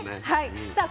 さあ